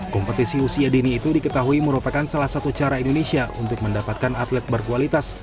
kompetisi usia dini itu diketahui merupakan salah satu cara indonesia untuk mendapatkan atlet berkualitas